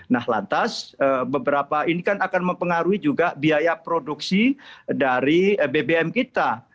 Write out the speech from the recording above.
nah lantas beberapa ini kan akan mempengaruhi juga biaya produksi dari bbm kita